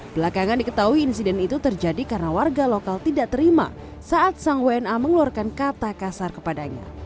belakangan diketahui insiden itu terjadi karena warga lokal tidak terima saat sang wna mengeluarkan kata kasar kepadanya